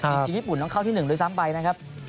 จริงญี่ปุ่นต้องเข้าที่๑โดย๓ใบนะครับ